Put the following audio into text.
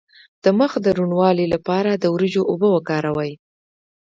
د مخ د روڼوالي لپاره د وریجو اوبه وکاروئ